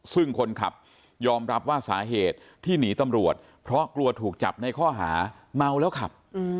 ซึ่งคนขับยอมรับว่าสาเหตุที่หนีตำรวจเพราะกลัวถูกจับในข้อหาเมาแล้วขับ